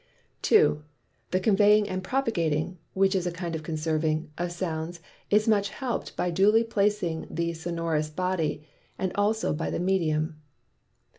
2. The Conveying and Propagating (which is a kind of Conserving) of Sounds, is much help'd by duly placing the Sonorous Body, and also by the Medium.